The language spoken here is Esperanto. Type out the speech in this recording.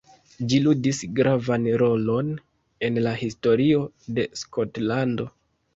Ĝi ludis gravan rolon en la historio de Skotlando.